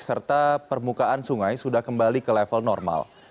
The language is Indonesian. serta permukaan sungai sudah kembali ke level normal